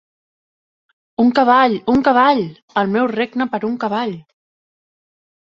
Un cavall, un cavall! El meu regne per un cavall!